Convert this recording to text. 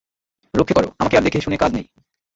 রক্ষে করো, আমাকে আর দেখে শুনে কাজ নেই।